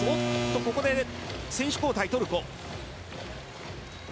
ここで選手交代、トルコ。